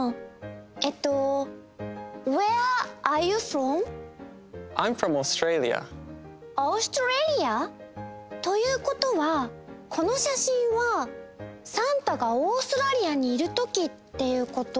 えっとＡｕｓｔｒａｌｉａ？ということはこのしゃしんはサンタがオーストラリアにいるときっていうこと？